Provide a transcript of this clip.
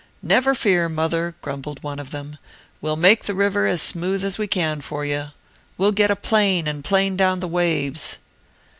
"Never fear, mother!" grumbled one of them, "we'll make the river as smooth as we can for you. We'll get a plane, and plane down the waves!"